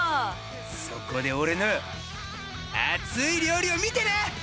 そこで俺の熱い料理を見てな！